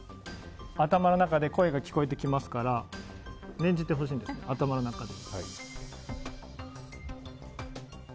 頭の中で声が聞こえてきますから念じてほしいんです、頭の中で。